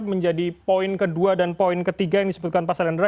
menjadi poin kedua dan poin ketiga yang disebutkan pak salendra